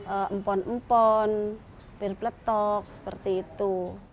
empon empon pir peletok seperti itu